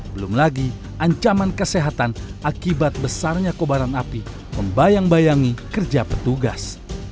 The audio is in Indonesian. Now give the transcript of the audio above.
belum lagi ancaman kesehatan akibat besarnya kobaran api membayang bayangi kerja petugas